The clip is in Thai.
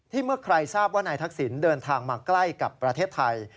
เมื่อใครทราบว่านายทักษิณเดินทางมาใกล้กับประเทศไทย